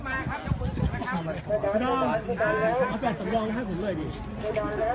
มีผู้ที่ได้รับบาดเจ็บและถูกนำตัวส่งโรงพยาบาลเป็นผู้หญิงวัยกลางคน